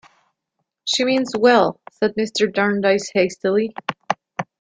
"She means well," said Mr. Jarndyce hastily.